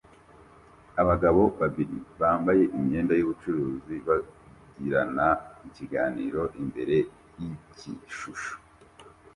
Abagabo babiri bambaye imyenda yubucuruzi bagirana ikiganiro imbere yikishusho